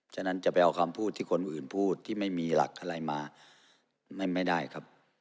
ฉะนั้นจะไปเอาคำพูดที่คนอื่นพูดที่ไม่มีหลักอะไรมาไม่ได้ครับ